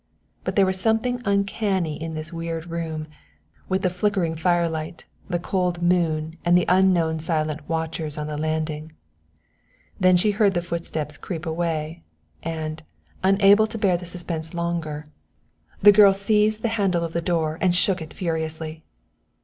But there was something uncanny in this weird room, with the flickering firelight the cold moon and the unknown silent watchers on the landing. Then she heard the footsteps creep away, and, unable to bear the suspense longer, the girl seized the handle of the door and shook it furiously.